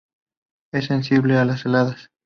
Es sensible a las heladas.